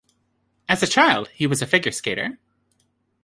As a child, he was a figure-skater.